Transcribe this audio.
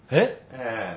ええ。